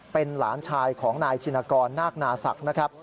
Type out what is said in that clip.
เป็นหลานชายของนายชินกรนาคนาศักดิ์นะครับ